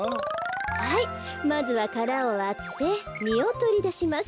はいまずはからをわってみをとりだします。